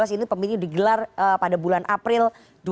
ini pemilu digelar pada bulan april dua ribu sembilan belas